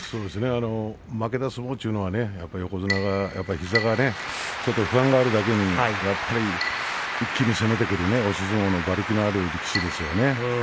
負けた相撲というのは横綱が膝がねちょっと不安があるだけに一気に攻めてくる押し相撲も馬力の力士ですよね。